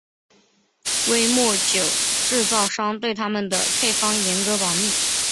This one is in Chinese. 威末酒制造商对他们的配方严格保密。